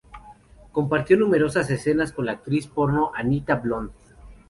Compartió numerosas escenas con la actriz porno Anita Blond.